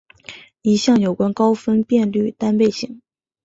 一项有关高分辨率单倍型。